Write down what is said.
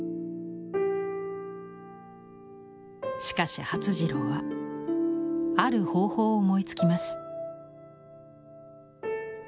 しかし發次郎はある方法を思いつきます。